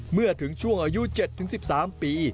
เมื่อถึงช่วงอายุ๗๑๓ปี